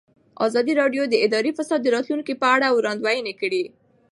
ازادي راډیو د اداري فساد د راتلونکې په اړه وړاندوینې کړې.